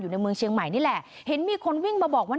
ในเมืองเชียงใหม่นี่แหละเห็นมีคนวิ่งมาบอกว่า